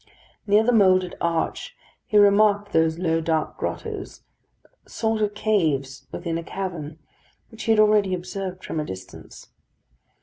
Near the moulded arch, he remarked those low dark grottoes, a sort of caves within a cavern, which he had already observed from a distance.